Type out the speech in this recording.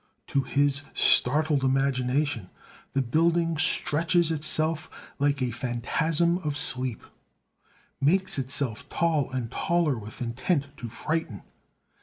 To his startled imagination, the building stretches itself like a phantasm of sleep, makes itself tall and taller with intent to frighten.